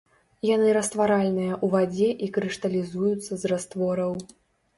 Яны растваральныя ў вадзе і крышталізуюцца з раствораў.